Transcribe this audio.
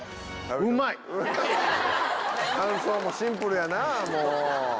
感想もシンプルやなもう。